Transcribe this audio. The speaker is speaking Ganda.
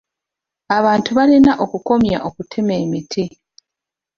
Abantu balina okukomya okutema emiti.